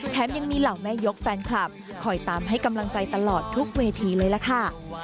ยังมีเหล่าแม่ยกแฟนคลับคอยตามให้กำลังใจตลอดทุกเวทีเลยล่ะค่ะ